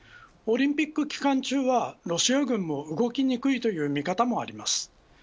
オリンピック期間中はロシア軍も動きにくいという見方もあります。